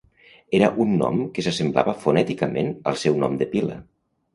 Era un nom que s'assemblava fonèticament al seu nom de pila.